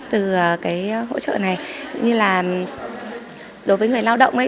từ cái hỗ trợ này như là đối với người lao động ấy